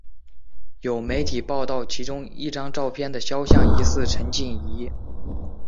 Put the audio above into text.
有媒体报道其中一张照片的肖像疑似陈静仪。